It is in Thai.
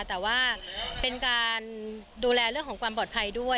แต่ว่าเป็นการดูแลเรื่องของความปลอดภัยด้วย